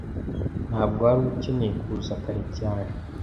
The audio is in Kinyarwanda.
Ntabwo wari ukeneye kuza kare cyane.